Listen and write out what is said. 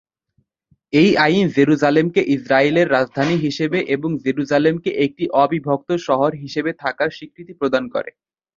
এই আইন জেরুসালেমকে ইসরাইলের রাজধানী হিসেবে এবং জেরুসালেমকে একটি অবিভক্ত শহর হিসেবে থাকার স্বীকৃতি প্রদান করে।